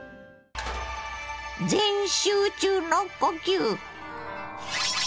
全集中の呼吸！